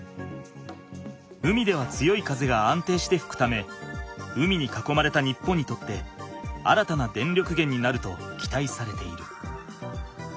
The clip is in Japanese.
海では強い風が安定してふくため海にかこまれた日本にとって新たな電力源になると期待されている。